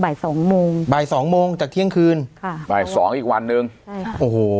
บ่ายสองโมงบ่ายสองโมงจากเที่ยงคืนค่ะบ่ายสองอีกวันหนึ่งใช่ค่ะโอ้โห